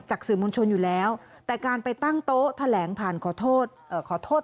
สื่อมวลชนอยู่แล้วแต่การไปตั้งโต๊ะแถลงผ่านขอโทษขอโทษ